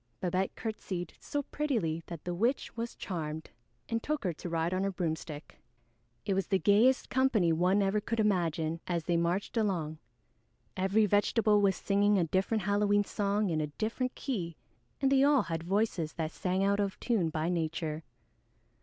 Babette curtseyed so prettily that the witch was charmed and took her to ride on her broomstick. It was the gayest company one ever could imagine, as they marched along. Every vegetable was singing a different Halloween song in a different key, and they all had voices that sang out of tune by nature.